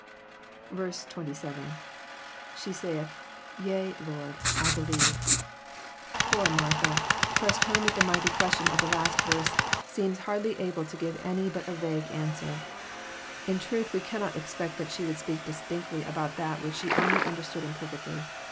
27. — [iSAe 9aUh,..Tea, Lord; I believe} Poor Martha, pressed JOHN, CHAP. XI. 265 home with the mighty question of the last verse, seems hardly able to give any but a vague answer. In truth, we cannot ex pect that she would speak distinctly about that which she only understood imperfectly.